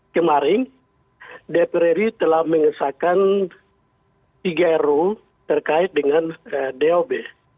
kemarin dprri telah mengesahkan tiga ruu terkait dengan dob